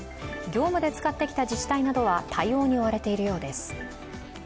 業務で使ってきた自治体などは対応に追われているようです。